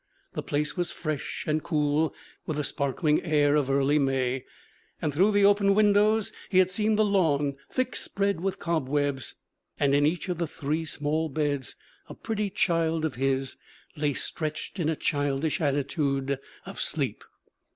The place was fresh and cool with the sparkling air of early May, and through the open windows he had seen the lawn thick spread with cobwebs. And in each of the three small beds a pretty child of his lay stretched in a childish attitude of sleep.